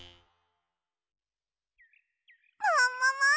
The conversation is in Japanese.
ももも！